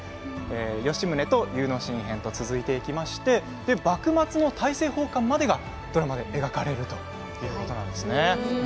吉宗、祐之進編と続いていきまして幕末の大政奉還までが、ドラマで描かれるということなんですね。